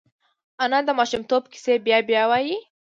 انا د ماشومتوب کیسې بیا بیا وايي